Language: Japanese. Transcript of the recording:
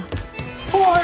おい！